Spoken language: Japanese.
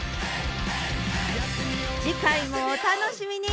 次回もお楽しみに！